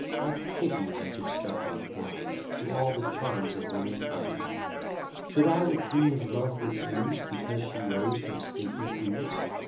I pity wretched Strephon, blind To all the charms of woman kind. Should I the Queen of Love refuse, Because she rose from stinking ooze?